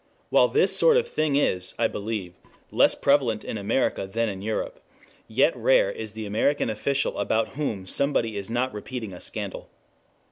While this sort of thing is, I believe, less prevalent in America than in Europe, yet rare is the American official about whom somebody is not repeating a scandal.